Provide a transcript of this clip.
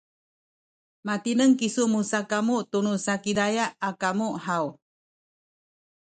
matineng kisu musakamu tunu Sakizaya a kamu haw?